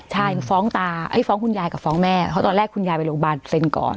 ใช่ฟ้องตาฟ้องคุณยายกับฟ้องแม่เพราะตอนแรกคุณยายไปโรงพยาบาลเซ็นก่อน